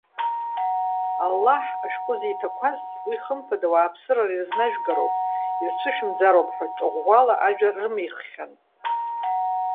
Аллаҳ, ашәҟәы зиҭақәаз, уи хымԥада ауааԥсыра ирызнажәгароуп, ирцәышәымӡароуп,- ҳәа ҿыӷәӷәала ажәа рымиххьан.